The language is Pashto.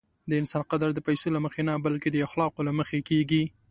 د انسان قدر د پیسو له مخې نه، بلکې د اخلاقو له مخې کېږي.